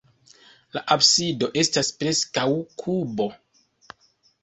La absido estas preskaŭ kubo.